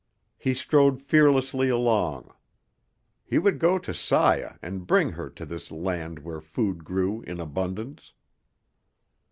He strode fearlessly along. He would go to Saya and bring her to this land where food grew in abundance.